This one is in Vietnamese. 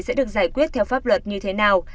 sẽ được giải quyết theo pháp luật như thế nào